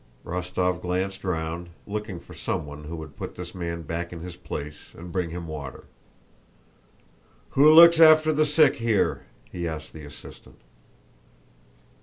Rostóv glanced round, looking for someone who would put this man back in his place and bring him water. "Who looks after the sick here?" he asked the assistant.